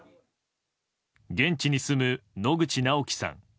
現地に住む野口直樹さん。